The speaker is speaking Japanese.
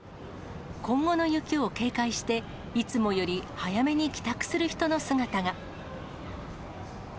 今後の雪を警戒して、いつもより早めに帰宅する人の姿が。